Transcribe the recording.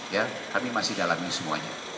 ya kami masih dalami semuanya